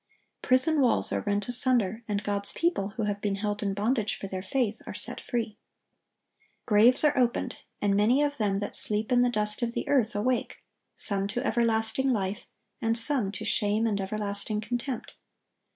Prison walls are rent asunder, and God's people, who have been held in bondage for their faith, are set free. Graves are opened, and "many of them that sleep in the dust of the earth ... awake, some to everlasting life, and some to shame and everlasting contempt."